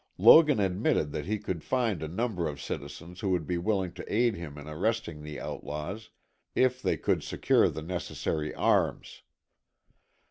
Logan admitted that he could find a number of citizens who would be willing to aid him in arresting the outlaws if they could secure the necessary arms.